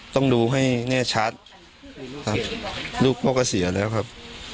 ต้องดูให้แน่ชัดครับลูกพ่อก็เสียแล้วครับ